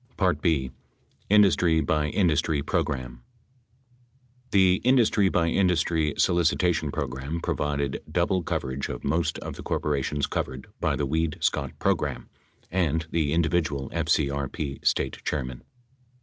B. Industry by Industry Program The industry by industry solicitation program provided double cov erage of most of the corporations covered by the Weed Scott program and the individual FCRP State chairmen.